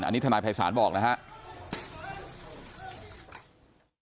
อันนี้ทนายภัยศาลบอกนะครับ